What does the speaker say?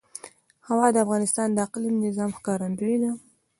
هوا د افغانستان د اقلیمي نظام ښکارندوی ده.